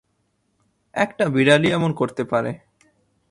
একটা বিড়ালই এমন করতে পারে!